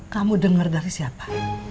kamu denger dari siapa